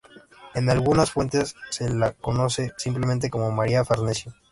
En algunas fuentes se la conoce simplemente como María Farnesio.